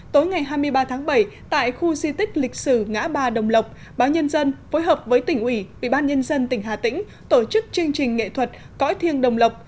tối ngày hai mươi ba tháng bảy tại khu di tích lịch sử ngã ba đồng lộc báo nhân dân phối hợp với tỉnh ủy ủy ban nhân dân tỉnh hà tĩnh tổ chức chương trình nghệ thuật cõi thiêng đồng lộc